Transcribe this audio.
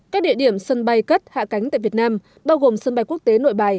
các địa điểm sân bay cất hạ cánh tại việt nam bao gồm sân bay quốc tế nội bài